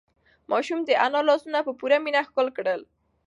ماشوم د انا لاسونه په پوره مینه ښکل کړل.